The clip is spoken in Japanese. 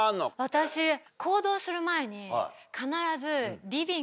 私行動する前に。